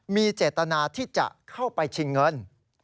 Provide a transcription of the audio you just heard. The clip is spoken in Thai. มีเจตนาที่จะเข้าไปชิงเงิน